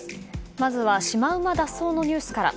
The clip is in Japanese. まずはシマウマ脱走のニュースから。